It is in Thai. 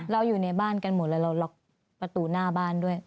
อยู่ในบ้านกันหมดแล้วเราล็อกประตูหน้าบ้านด้วย